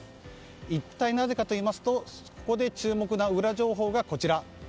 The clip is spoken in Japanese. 一体なぜかといいますとここで注目のウラ情報がこちら。